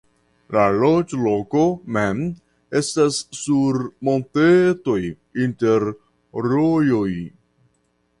La loĝloko mem estas sur montetoj inter rojoj.